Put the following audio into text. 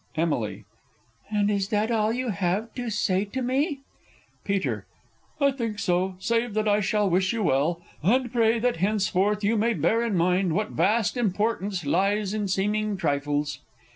Emily. And is that all you have to say to me? Peter. I think so save that I shall wish you well, And pray that henceforth you may bear in mind What vast importance lies in seeming trifles.